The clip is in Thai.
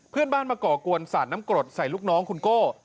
เพื่อนบ้านมาก่อกวนสารน้ำกรดใส่ลูกน้องคุณโก้